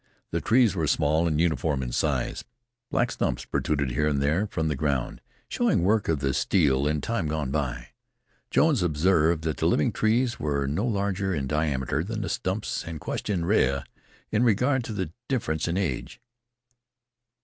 The trees were small and uniform in size. Black stumps protruded, here and there, from the ground, showing work of the steel in time gone by. Jones observed that the living trees were no larger in diameter than the stumps, and questioned Rea in regard to the difference in age.